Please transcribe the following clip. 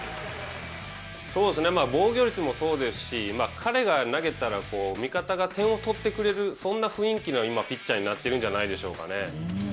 防御率もそうですし彼が投げたら味方が点を取ってくれる今、そんな雰囲気のピッチャーになっているんじゃないでしょうかね。